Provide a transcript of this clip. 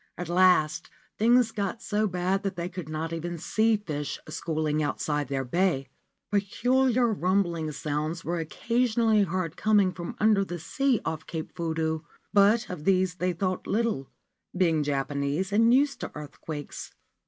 At last things got so bad that they could not even see fish schooling outside their bay. Peculiar rumbling sounds were occasionally heard coming from under the sea off Cape Fudo ; but of these they thought little, being Japanese and used to earthquakes.